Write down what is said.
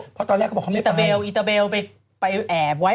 เพราะตอนแรกเขาบอกเขาไม่ไปอีตเตอร์เบลอีตเตอร์เบลไปแอบไว้